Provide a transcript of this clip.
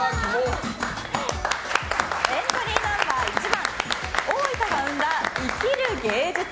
エントリーナンバー１番大分が生んだ生きる芸術。